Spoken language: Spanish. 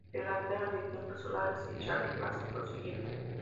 Pero la venta de quintas, solares y charcas, prosiguió.